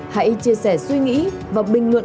hãy chia sẻ suy nghĩ và bình luận